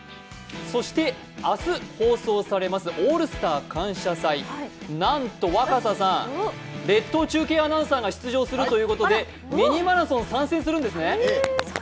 そして明日、放送されます「オールスター感謝祭」、なんと、若狭さん、列島中継アナウンサーが出場するということで、「ミニマラソン」参戦するんですね？